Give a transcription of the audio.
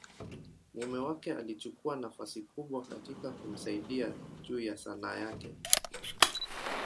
mume wake alichukua nafasi kubwa katika kumsaidia juu ya Sanaa yake.